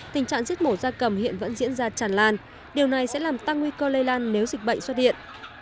tình trạng giết mổ gia cầm hiện vẫn diễn ra chẳng làn điều này sẽ làm tăng nguy cơ lây lan nếu dịch bệnh xuất hiện